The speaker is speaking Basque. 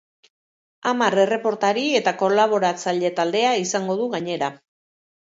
Hamar erreportari eta kolaboratzaile taldea izango du gainera.